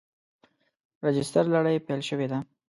راجستر لړۍ پیل شوې ده.